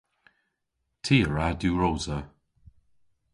Ty a wra diwrosa.